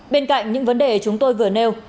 bên cạnh những vấn đề chúng tôi vừa nêu